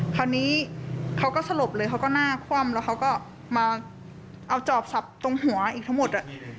คราวนี้เขาก็สลบเลยเขาก็หน้าคว่ำแล้วเขาก็มาเอาจอบสับตรงหัวอีกทั้งหมด